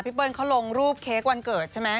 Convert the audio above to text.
เบิ้ลเขาลงรูปเค้กวันเกิดใช่ไหม